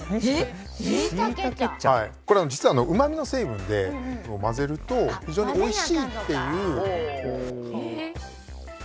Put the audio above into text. これ実はうまみの成分で混ぜると非常においしいっていう。